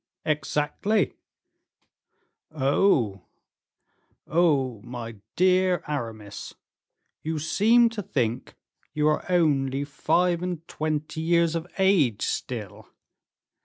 "Exactly." "Oh, oh! my dear Aramis, you seem to think you are only five and twenty years of age still."